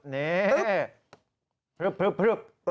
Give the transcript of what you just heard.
นี่พรุ่บพรุ่บพรุ่บ